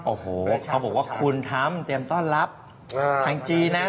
โอ้โหเขาบอกว่าคุณทำเตรียมต้อนรับทางจีนนะ